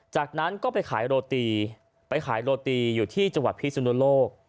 จากนั้นก็ไปขายโรตีอยู่ที่จังหวัดพี่สุนุนโลก